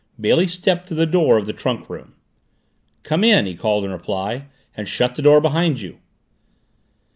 Bailey stepped to the door of the trunk room. "Come in," he called in reply. "And shut the door behind you."